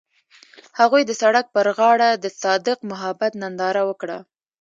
هغوی د سړک پر غاړه د صادق محبت ننداره وکړه.